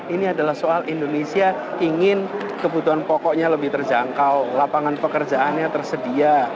ini adalah soal indonesia ingin kebutuhan pokoknya lebih terjangkau lapangan pekerjaannya tersedia